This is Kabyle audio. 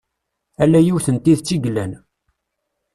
Ala yiwet n tidet i yellan.